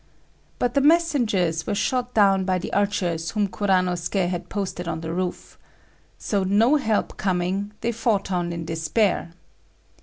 But the messengers were shot down by the archers whom Kuranosuké had posted on the roof. So no help coming, they fought on in despair.